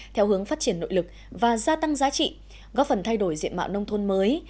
theo hướng phát triển nội lực và gia tăng giá trị góp phần thay đổi diện mạo nông thôn mới